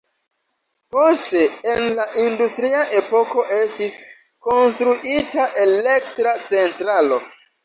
Poste en la industria epoko estis konstruita elektra centralo.